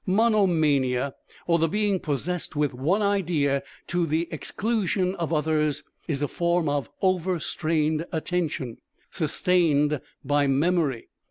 Monomania or the being possessed with one idea to the exclusion of others, is a form of overstrained attention, sustained by memory.